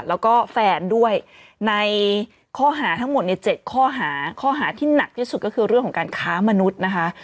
แล้วก็แฟนด้วยในข้อหาทั้งหมดใน๗ข้อหาข้อหาที่หนักที่สุดก็คือเรื่องของการค้ามนุษย์นะคะ